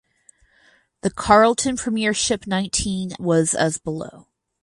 The Carlton premiership nineteen was as below.